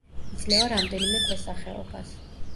იძლევა რამდენიმე ქვესახეობას.